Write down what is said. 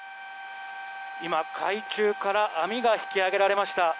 今、海中から網が引き揚げられました。